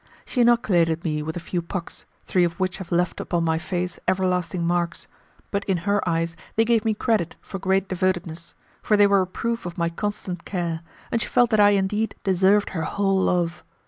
She inoculated me with a few pocks, three of which have left upon my face everlasting marks; but in her eyes they gave me credit for great devotedness, for they were a proof of my constant care, and she felt that I indeed deserved her whole love.